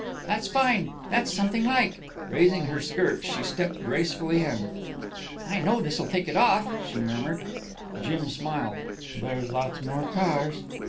"That's fine. That's something like." Raising her skirts she stepped gracefully in. "I know this'll take it off," she murmured. Jim smiled. "There's lots more cars."